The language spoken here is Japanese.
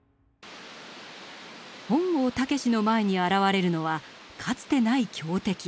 本郷猛の前に現れるのはかつてない強敵。